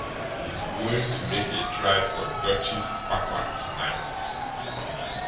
He's going to make a try for Dutchy's sparklers to night.